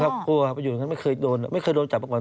ครับกลัวครับอยู่ด้านนั้นไม่เคยโดนไม่เคยโดนจับมาก่อน